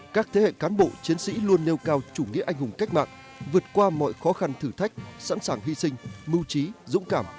các thế hệ cán bộ chiến sĩ luôn nêu cao chủ nghĩa anh hùng cách mạng vượt qua mọi khó khăn thử thách sẵn sàng hy sinh mưu trí dũng cảm